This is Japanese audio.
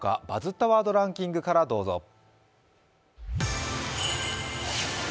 「バズったワードランキング」からどうぞ。